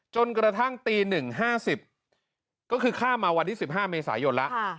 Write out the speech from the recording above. จนกระทั่งตี๑๕๐ก็คือข้ามมาวันที่๑๕เมษายนแล้ว